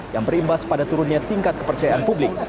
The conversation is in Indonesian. yang berimbas pada turunnya tingkat kepercayaan publik